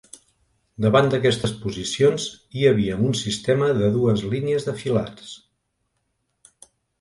Davant d'aquestes posicions hi havia un sistema de dues línies de filats.